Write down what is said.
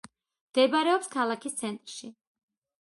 მდებარეობს ქალაქის ცენტრში.